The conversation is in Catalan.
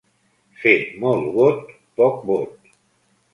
Fer molt bot, poc bot.